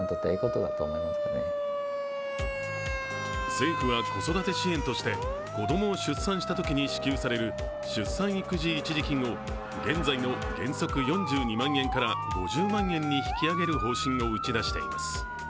政府は子育て支援として、子供を出産したときに支給される出産育児一時金を現在の原則４２万円から５０万円に引き上げる方針を打ち出しています。